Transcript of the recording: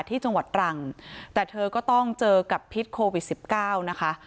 ที่จังหวัดตรังแต่เธอก็ต้องเจอกับพิษโควิดสิบเก้านะคะ